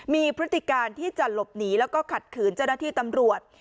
มีพฤติการที่จะหลบหนีแล้วก็ขัดขืนเจ้าหน้าที่ตำรวจ